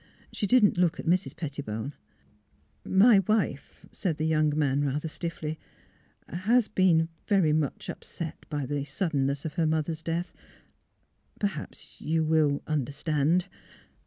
She did not look at Mrs. Pettibone. *' My wife," said the young man, rather stiffly, 350 THE HEART OF PHILURA '^ has been very much upset by the suddenness of her mother's death; perhaps you will — under stand."